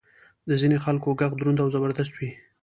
د ځینې خلکو ږغ دروند او زبردست وي.